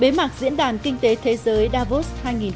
bế mạc diễn đàn kinh tế thế giới davos hai nghìn một mươi chín